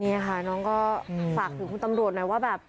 นี่ค่ะน้องก็ฝากถึงคุณตำรวจหน่อยว่าแบบ